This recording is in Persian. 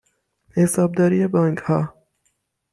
حسابداری بانکها